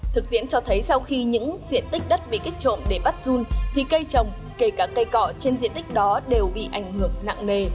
thực tiễn cho thấy sau khi những diện tích đất bị kích trộm để bắt run thì cây trồng kể cả cây cọ trên diện tích đó đều bị ảnh hưởng nặng nề